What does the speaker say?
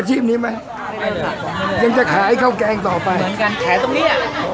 ชีพนี้ไหมยังจะขายข้าวแกงต่อไปเหมือนกันขายตรงเนี้ย